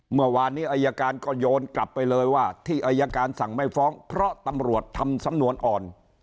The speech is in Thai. เมื่อวานนี้อายการก็โยนกลับไปเลยว่าที่อายการสั่งไม่ฟ้องเพราะตำรวจทำสำนวนอ่อน